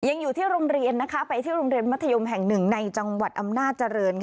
อยู่ที่โรงเรียนนะคะไปที่โรงเรียนมัธยมแห่งหนึ่งในจังหวัดอำนาจเจริญ